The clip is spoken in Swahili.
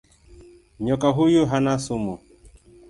Nyoka huyu hana sumu.